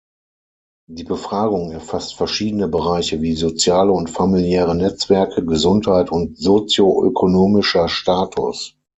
Die Befragung erfasst verschiedene Bereiche wie soziale und familiäre Netzwerke, Gesundheit und sozio-ökonomischer Status.